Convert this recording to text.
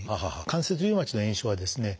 関節リウマチの炎症はですね